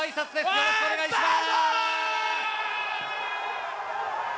よろしくお願いします。